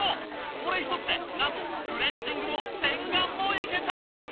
これ一つでなんとクレンジングも洗顔もいけちゃいます！